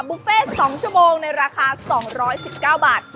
บุฟเฟ่๒ชั่วโมงในราคา๒๑๙บาท